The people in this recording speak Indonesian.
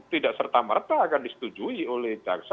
tidak serta merta akan disetujui oleh jaksa